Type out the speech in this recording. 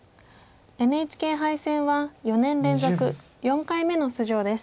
ＮＨＫ杯戦は４年連続４回目の出場です。